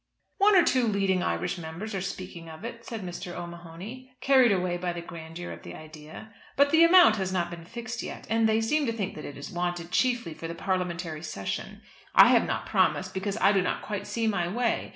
"One or two leading Irish members are speaking of it," said Mr. O'Mahony, carried away by the grandeur of the idea, "but the amount has not been fixed yet. And they seem to think that it is wanted chiefly for the parliamentary session. I have not promised because I do not quite see my way.